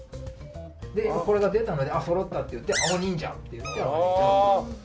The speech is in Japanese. でこれが出たのであっそろったっていって「青ニンジャ！」って言ってあがれちゃう。